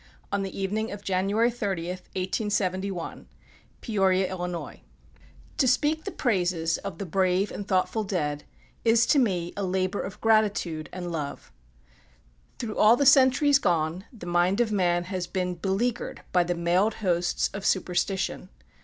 On The Evening Of January 80th, 1871, Peoria, Ill. 1871. THOMAS PAINE To speak the praises of the brave and thoughtful dead, is to me a labor of gratitude and love. Through all the centuries gone, the mind of man has been beleaguered by the mailed hosts of superstition.